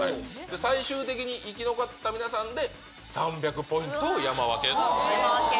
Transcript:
最終的に生き残った皆さんで、３００ポイントを山分けという。